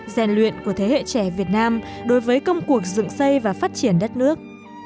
rèn luyện của thế hệ trẻ việt nam đối với công cuộc dựng xây và phát triển đất nước